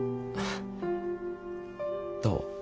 どう？